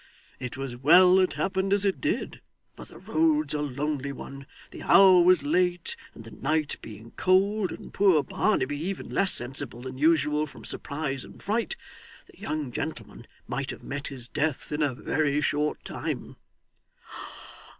It was well it happened as it did; for the road's a lonely one, the hour was late, and, the night being cold, and poor Barnaby even less sensible than usual from surprise and fright, the young gentleman might have met his death in a very short time.